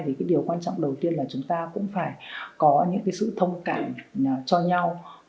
thì cái điều quan trọng đầu tiên là chúng ta cũng phải có những cái sự thông cảm cho nhau